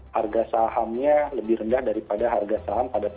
harga sahamnya lebih rendah daripada harga saham pada tahun